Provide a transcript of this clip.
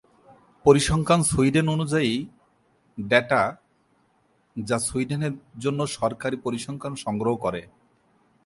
পরিসংখ্যান সুইডেন অনুযায়ী ডেটা, যা সুইডেনের জন্য সরকারী পরিসংখ্যান সংগ্রহ করে।